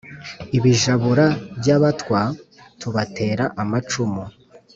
ibijabura by’abatwa tubatera amacumu